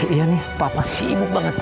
iya nih papa sibuk banget